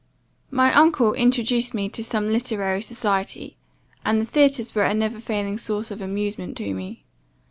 "My uncle introduced me to some literary society; and the theatres were a never failing source of amusement to me.